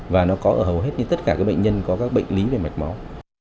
và nó có ở hầu hết như tất cả các bệnh nhân có các bệnh lý về mạch máu